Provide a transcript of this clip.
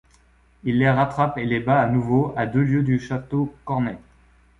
Il les rattrape et les bat à nouveau à deux lieues du château Cornet.